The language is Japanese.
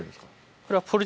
これは。